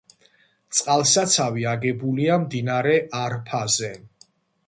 წყალსაცავი აგებულია მდინარე არფაზე.